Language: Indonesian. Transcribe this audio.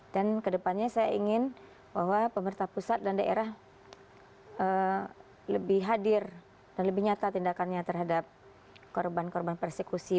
dan ke depannya saya ingin bahwa pemerintah pusat dan daerah lebih hadir dan lebih nyata tindakannya terhadap korban korban persekusi